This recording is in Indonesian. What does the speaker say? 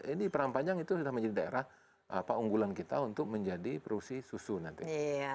ini perang panjang itu sudah menjadi daerah unggulan kita untuk menjadi produksi susu nanti